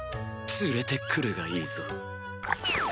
連れて来るがいいぞ。